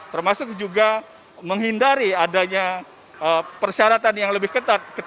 termasuk juga menghindari adanya persyaratan yang lebih ketat